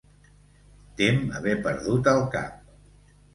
Tem haver perdut el cap.